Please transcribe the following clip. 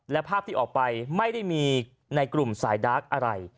และภาพที่ออกไปไม่ได้มีในกลุ่มสายดาร์กอะไร